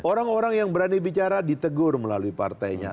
orang orang yang berani bicara ditegur melalui partainya